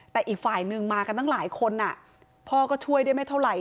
แต่อีกฝ่ายนึงมากันตั้งหลายคนพ่อก็ช่วยได้ไม่เท่าไหร่